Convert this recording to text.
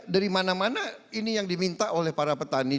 dari mana mana ini yang diminta oleh para petani